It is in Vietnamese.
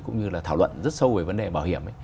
cũng như là thảo luận rất sâu về vấn đề bảo hiểm ấy